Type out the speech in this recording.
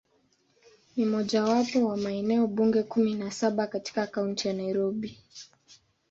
Ni mojawapo wa maeneo bunge kumi na saba katika Kaunti ya Nairobi.